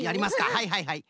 はいはいはい。